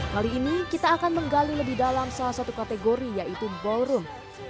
kali ini kita akan menggali lebih dalam salah satu kategori yaitu ballroom